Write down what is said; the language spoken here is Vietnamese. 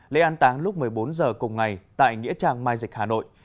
lễ an táng lúc một mươi bốn h cùng ngày tại nghĩa trang mai dịch hà nội